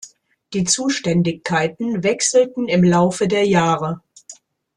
Die Zuständigkeiten wechselten im Laufe der Jahre.